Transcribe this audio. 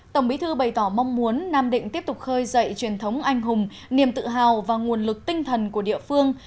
tổng bí thư bày tỏ mong muốn nam định tiếp tục khơi dậy truyền thống anh hùng niềm tự hào và nguồn lực tinh thần của địa phương